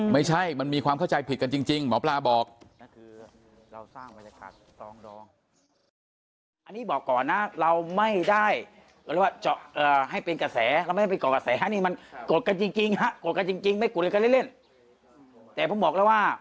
ไม่ใช่มันมีความเข้าใจผิดกันจริงหมอปลาบอก